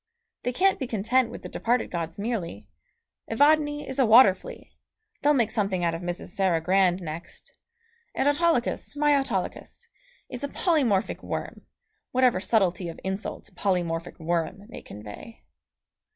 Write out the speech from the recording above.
They can't be content with the departed gods merely. Evadne is a water flea they'll make something out of Mrs. Sarah Grand next; and Autolycus, my Autolycus! is a polymorphic worm, whatever subtlety of insult "polymorphic worm" may convey.